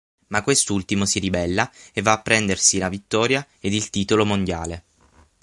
Ma quest'ultimo si ribella e va a prendersi la vittoria ed il titolo mondiale.